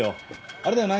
あれだよな